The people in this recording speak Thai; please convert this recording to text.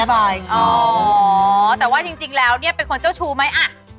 แต่ว่าจริงแล้วเนี่ยเป็นคนเจ้าชู้ไหมอ่ะ